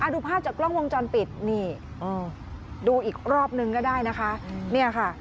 ดูภาพจากกล้องวงจรปิดดูอีกรอบหนึ่งก็ได้นะคะ